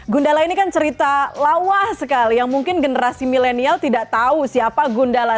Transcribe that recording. gundala ini kan cerita lawah sekali yang mungkin generasi milenial tidak tahu siapa gundala